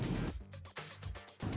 apa yang paling berjasa